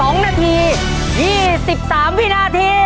๒นาที๒๓วินาที